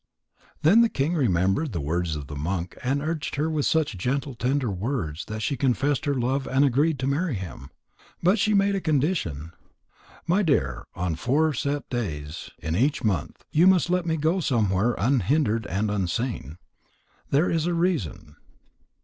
Then the king remembered the words of the monk, and urged her with such gentle, tender words that she confessed her love and agreed to marry him. But she made a condition: "My dear, on four set days in each month you must let me go somewhere unhindered and unseen. There is a reason."